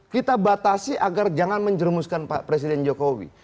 kita batasi agar jangan menjerumuskan pak presiden jokowi